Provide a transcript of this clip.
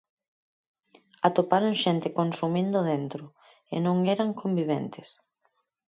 Atoparon xente consumindo dentro, e non eran conviventes.